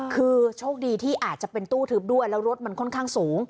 คือโชคดีที่อาจจะเป็นตู้ทึบด้วยแล้วรถมันค่อนข้างสูง